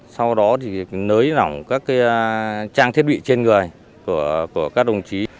sau đó thì nới lỏng các trang thiết bị trên người của các đồng chí